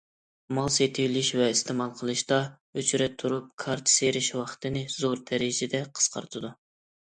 مال سېتىۋېلىش ۋە ئىستېمال قىلىشتا ئۆچرەت تۇرۇپ كارتا سىيرىش ۋاقتىنى زور دەرىجىدە قىسقارتىدۇ.